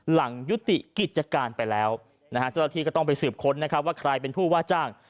หลังยุติกิจการไปแล้วสักทีก็ต้องไปสืบค้นว่าใครเป็นผู้ว่าจ้าง